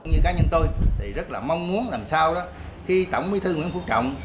như cá nhân tôi thì rất là mong muốn làm sao đó khi tổng bí thư nguyễn phú trọng